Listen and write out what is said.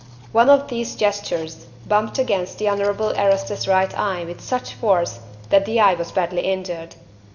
One of these gestures bumped against the Honorable Erastus's right eye with such force that the eye was badly injured.